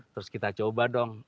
terus kita coba dong